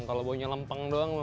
kalau baunya lempeng doang